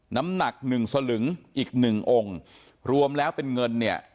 น้ำหนักหนึ่งสลึงอีกหนึ่งองค์รวมแล้วเป็นเงินเนี่ย